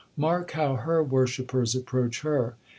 Mark how her worshippers approach her.'